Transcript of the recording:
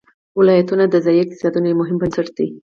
ولایتونه د ځایي اقتصادونو یو مهم بنسټ دی.